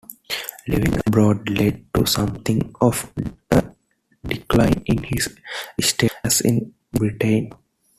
Living abroad led to something of a decline in his status in Britain.